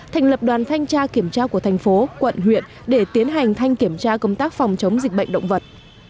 thành lập đoàn thanh tra kiểm tra của thành phố quận huyện để tiến hành thanh kiểm tra công tác phòng chống dịch bệnh động vật